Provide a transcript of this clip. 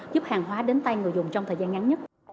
giúp hàng hóa đến tay người dùng trong thời gian ngắn nhất